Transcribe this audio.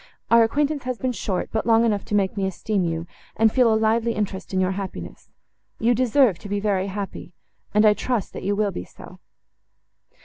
Our acquaintance has been short, but long enough to make me esteem you, and feel a lively interest in your happiness. You deserve to be very happy, and I trust that you will be so."